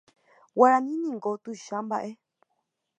Guarani niko tuicha mbaʼe.